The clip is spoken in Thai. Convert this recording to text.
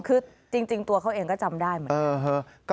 คือจริงตัวเขาเองก็จำได้เหมือนกัน